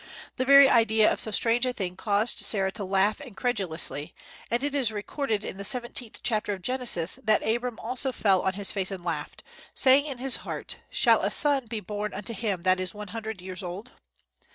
The very idea of so strange a thing caused Sarah to laugh incredulously, and it is recorded in the seventeenth chapter of Genesis that Abram also fell on his face and laughed, saying in his heart, "Shall a son be born unto him that is one hundred years old?"